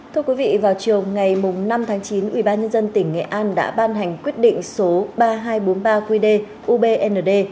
thưa quý vị vào chiều ngày năm tháng chín ubnd tỉnh nghệ an đã ban hành quyết định số ba nghìn hai trăm bốn mươi ba qd ubnd